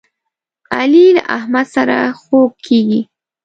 علي له احمد سره خوږ کېږي.